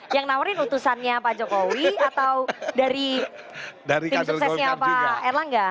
yang nawarin utusannya pak jokowi atau dari tim suksesnya pak erlangga